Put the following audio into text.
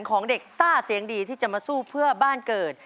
ของเด็กซ่าเสียงดีที่จะมาสู้เพื่อบ้านเกิด